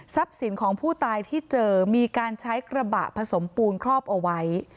สินของผู้ตายที่เจอมีการใช้กระบะผสมปูนครอบเอาไว้